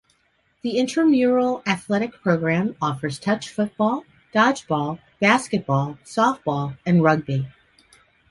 The intramural athletic program offers touch football, dodgeball, basketball, softball, and rugby.